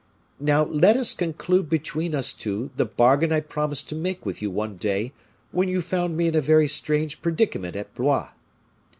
"Now, let us conclude between us two the bargain I promised to make with you one day when you found me in a very strange predicament at Blois.